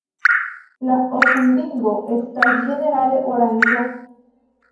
La okulringo estas ĝenerale oranĝa.